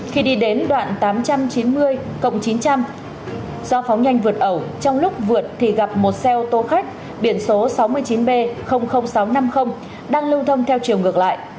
khi đi đến đoạn tám trăm chín mươi chín trăm linh do phóng nhanh vượt ẩu trong lúc vượt thì gặp một xe ô tô khách biển số sáu mươi chín b sáu trăm năm mươi đang lưu thông theo chiều ngược lại